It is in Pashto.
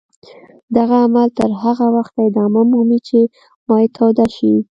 دغه عمل تر هغه وخته ادامه مومي چې مایع توده شي.